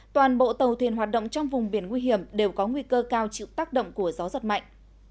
toàn bộ tàu thuyền hoạt động trong vùng biển nguy hiểm đều có nguy cơ cao chịu tác động của gió giật mạnh